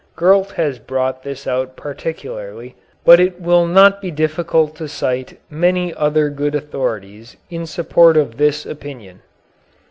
Gurlt has brought this out particularly, but it will not be difficult to cite many other good authorities in support of this opinion.